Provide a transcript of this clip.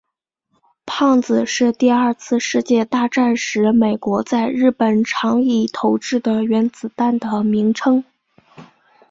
胖子是第二次世界大战时美国在日本长崎投掷的原子弹的名称。